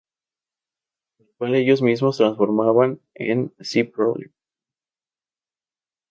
Al cual ellos mismos transformaban en "Sí problem".